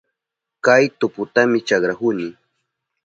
Kay tuputami chakrahuni.